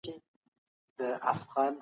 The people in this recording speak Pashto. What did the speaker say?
آيا څوک يوازې ژوند کولای سي؟